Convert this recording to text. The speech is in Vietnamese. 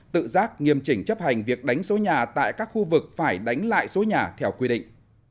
tự giác nghiêm chỉnh chấp hành việc đánh số nhà tại các khu vực phải đánh lại số nhà theo quy định